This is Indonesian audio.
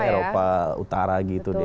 eropa utara gitu deh